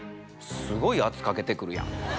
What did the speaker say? すごい圧かけてくるやん。